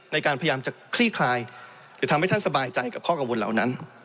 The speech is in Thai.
ในการพยายามจะคลี่คลายหรือทำให้ท่านสบายใจกับข้อกังวลเหล่านั้น